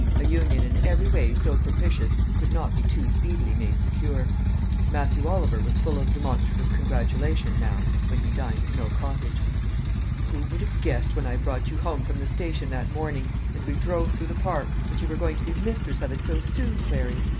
A union in every way so propitious could not be too speedily made secure. Matthew Oliver was full of demonstrative congratulation now when he dined at Mill Cottage. "Who would have guessed when I brought you home from the station that morning, and we drove through the park, that you were going to be mistress of it so soon, Clary?"